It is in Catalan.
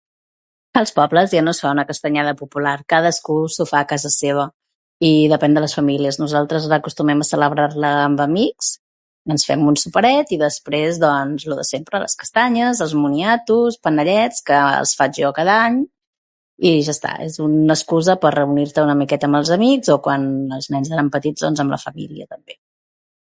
Als pobles ja no es fa una castanyada popular, cadascú s'ho fa a casa seva i, depèn de les famílies. Nosaltres acostumem a celebrar-la amb amics. Ens fem un soparet i després, doncs, el de sempre: les castanyes, els moniatos, panellets —que els faig jo cada any— i, ja està; és una excusa per reunir-te una miqueta amb els amics o, quan els nens eren petits doncs, amb la família també.